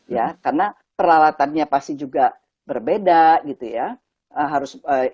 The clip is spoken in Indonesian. ya karena peralatannya pasti juga berbeda gitu ya